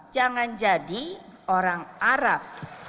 jangan jadi orang arab